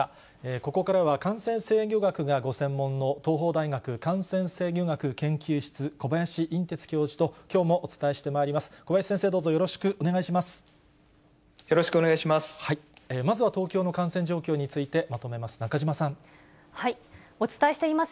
ここからは、感染制御学がご専門の東邦大学感染制御学研究室、小林寅てつ教授と、きょうもお伝えしてまいります。